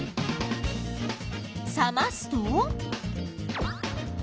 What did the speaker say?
冷ますと。